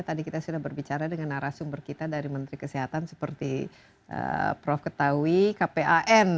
tadi kita sudah berbicara dengan narasumber kita dari menteri kesehatan seperti prof ketahui kpan